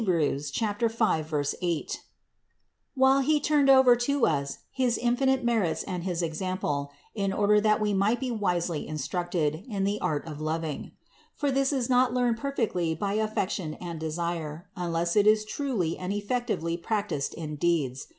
5, 8), while He turned over to us his infinite merits and his example, in order that we might be wisely instructed in the art of loving1. For this is not learned perfectly by affection and desire, unless it is truly and effectively practiced in deeds.